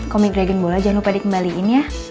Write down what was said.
komi dragon ball aja jangan lupa dikembaliin ya